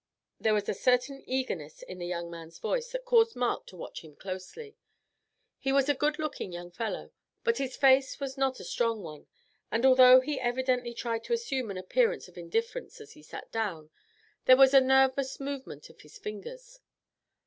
There was a certain eagerness in the young man's voice that caused Mark to watch him closely. He was a good looking young fellow, but his face was not a strong one; and although he evidently tried to assume an appearance of indifference as he sat down, there was a nervous movement of his fingers.